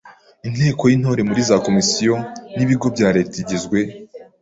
Inteko y’Intore muri za Komisiyo n’ibigo bya Leta igizwe